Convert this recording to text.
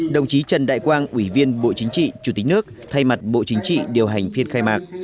đồng chí trần đại quang ủy viên bộ chính trị chủ tịch nước thay mặt bộ chính trị điều hành phiên khai mạc